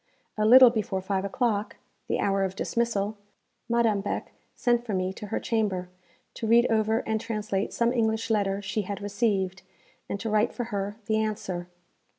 A little before five o'clock, the hour of dismissal, Madame Beck sent for me to her chamber, to read over and translate some English letter she had received, and to write for her the answer.